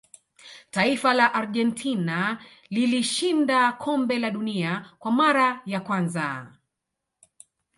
taifa la argentina lilishinda kombe la dunia kwa mara ya kwanza